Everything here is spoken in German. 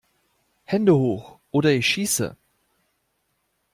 Hände Hoch oder ich Schieße!